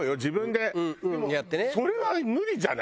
でもそれは無理じゃない？